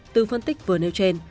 từ phân tích vừa nêu trên